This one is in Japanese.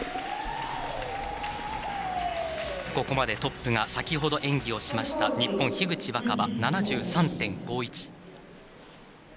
ここまでトップが先ほど演技をしました日本、樋口新葉７３．５１。